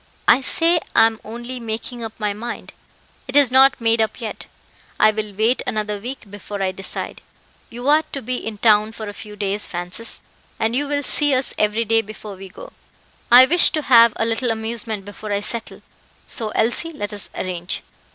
"I say I am only making up my mind; it is not made up yet. I will wait another week before I decide. You are to be in town for a few days, Francis, and you will see us every day before we go. I wish to have a little amusement before I settle; so, Elsie, let us arrange.